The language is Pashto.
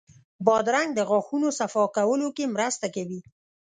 بادرنګ د غاښونو صفا کولو کې مرسته کوي.